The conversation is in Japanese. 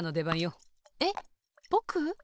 えっぼく？